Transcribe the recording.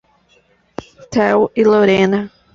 Theo e Lorena